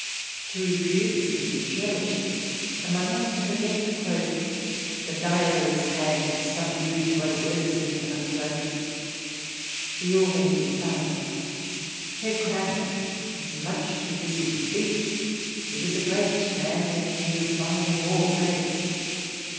To refuse would be churlish, and one has to forget " the dyer's hand, subdued to what it works in." CH. xxi] "TAKE US THE LITTLE FOXES" 315 We all went inside. Herr Kramp was much too busy to speak ; he was a great man, and he was buying more grapes.